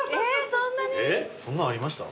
そんなんありました？